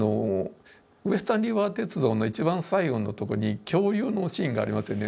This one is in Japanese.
ウエスタンリバー鉄道の一番最後のとこに恐竜のシーンがありますよね。